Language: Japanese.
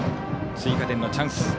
追加点のチャンス。